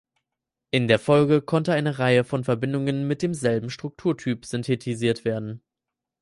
In der Folge konnte eine Reihe von Verbindungen mit demselben Strukturtyp synthetisiert werden.